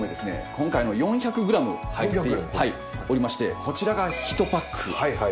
今回４００グラム入っておりましてこちらが１パック。